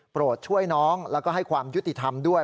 ช่วยน้องแล้วก็ให้ความยุติธรรมด้วย